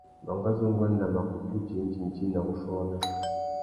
Mangazu nguêndê a mà kutu djï indjindjï na wuchiô wamê.